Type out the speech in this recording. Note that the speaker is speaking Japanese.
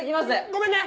ごめんね！